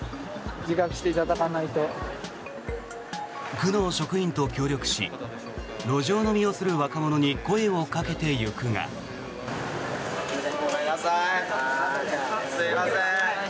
区の職員と協力し路上飲みをする若者に声をかけていくが。